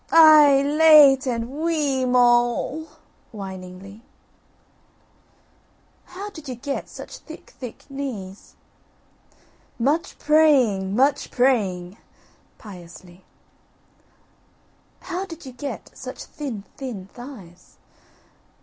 "Aih h h! late and wee e e moul" (whiningly). "How did you get such thick thick knees?" "Much praying, much praying" (piously). "How did you get such thin thin thighs?"